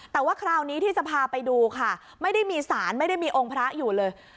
แต่ว่าคราวนี้ที่จะพาไปดูค่ะไม่ได้มีสารไม่ได้มีองค์พระอยู่เลย